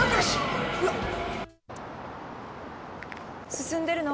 進んでるの？